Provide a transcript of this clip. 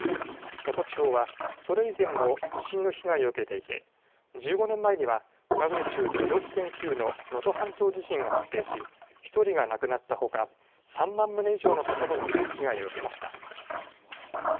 能登地方はそれ以前も地震の被害を受けていて１５年前にはマグニチュード６．９の能登半島地震が発生し１人が亡くなったほか３万棟以上の建物が被害を受けました。